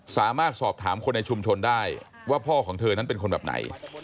สามารถสอบถามคนในชุมชนได้ว่าพ่อของเธอนั้นเป็นคนแบบไหน